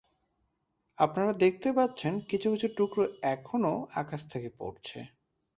আপনারা দেখতে পাচ্ছেন কিছু কিছু টুকরা এখনও আকাশ থেকে পড়ছে।